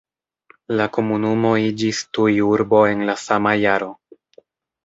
La komunumo iĝis tuj urbo en la sama jaro.